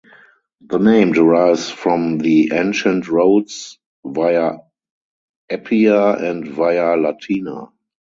The name derives from the ancient roads Via Appia and Via Latina.